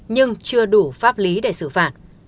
nhưng chưa đủ pháp lý để xử phạt